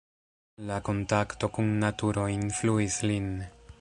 La kontakto kun naturo influis lin.